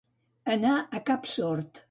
Anar a cap sord.